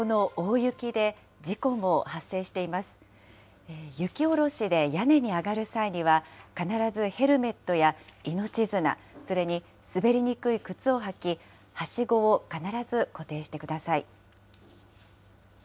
雪下ろしで屋根に上がる際には、必ずヘルメットや命綱、それに滑りにくい靴を履き、はしごを必ず固定してください。